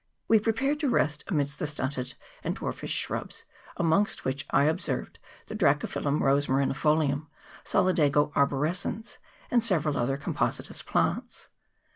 We prepared to rest amidst the stunted and dwarfish shrubs, amongst which I observed the Dracophyllum rosmarini folium, Solidago arborescens, and several other compositous plants.